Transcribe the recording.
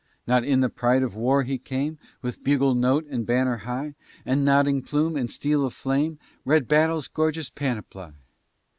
Not in the pride of war he came, With bugle note and banner high, And nodding plume, and steel of flame, Red battle's gorgeous panoply!